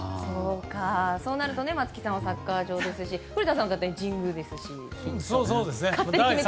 そうなると松木さんはサッカー場ですし古田さんだったら神宮ですし。